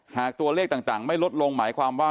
หากตัวเลขต่างไม่ลดลงหมายความว่า